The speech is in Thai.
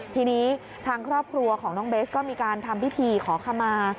ทีนี้ทางครอบครัวของน้องเบสก็มีการทำพิธีขอขมา